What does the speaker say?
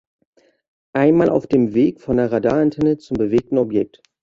Einmal auf dem Weg von der Radarantenne zum bewegten Objekt.